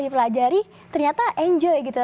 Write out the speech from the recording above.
di pelajari ternyata enjoy gitu